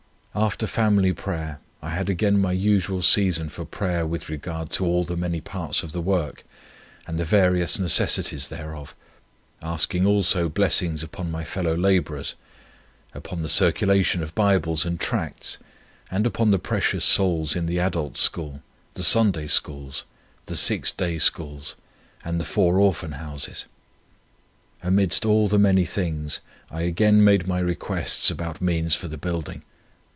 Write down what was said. After family prayer I had again my usual season for prayer with regard to all the many parts of the work, and the various necessities thereof, asking also blessings upon my fellow labourers, upon the circulation of Bibles and Tracts, and upon the precious souls in the Adult School, the Sunday Schools, the Six Day Schools, and the four Orphan Houses. Amidst all the many things I again made my requests about means for the Building.